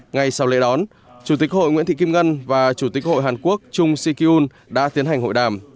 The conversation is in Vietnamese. ngay sau lễ đón chủ tịch hội nguyễn thị kim ngân và chủ tịch hội hàn quốc chung si ki un đã tiến hành hội đàm